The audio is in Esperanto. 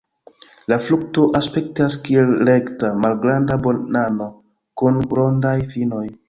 La frukto aspektas kiel rekta, malgranda banano kun rondaj finoj.